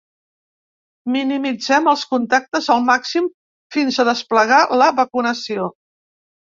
Minimitzem els contactes al màxim fins a desplegar la vacunació.